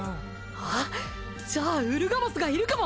じゃあウルガモスがいるかも！